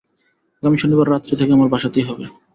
আগামী শনিবার রাত্রি থেকে আমার বাসাতেই হবে।